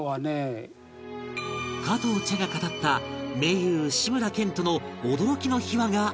加藤茶が語った盟友・志村けんとの驚きの秘話が明らかに